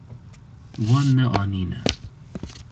Wan neanîne.